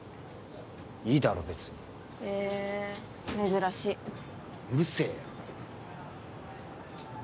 いいだろ別にへえ珍しいうるせえよ